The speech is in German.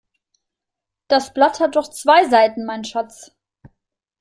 Das Blatt hat doch zwei Seiten, mein Schatz.